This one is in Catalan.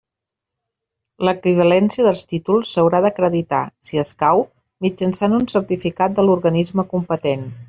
L'equivalència dels títols s'haurà d'acreditar, si escau, mitjançant un certificat de l'organisme competent.